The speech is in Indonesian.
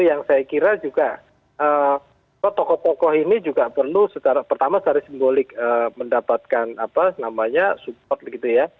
yang saya kira juga tokoh tokoh ini juga perlu secara pertama secara simbolik mendapatkan apa namanya support gitu ya